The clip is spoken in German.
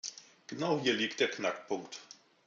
Genau hier liegt der Knackpunkt.